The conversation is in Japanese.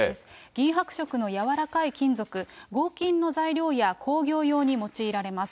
銀白色の柔らかい金属、合金の材料や工業用に用いられます。